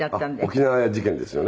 沖縄事件ですよね。